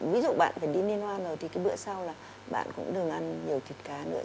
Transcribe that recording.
ví dụ bạn phải đi liên hoa rồi thì cái bữa sau là bạn cũng đừng ăn nhiều thịt cá nữa